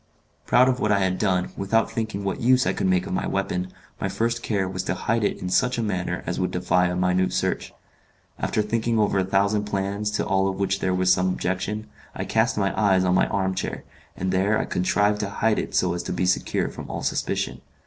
Proud of what I had done, without thinking what use I could make of my weapon, my first care was to hide it in such a manner as would defy a minute search. After thinking over a thousand plans, to all of which there was some objection, I cast my eyes on my arm chair, and there I contrived to hide it so as to be secure from all suspicion.